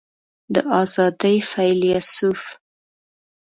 د آزادۍ فیلیسوف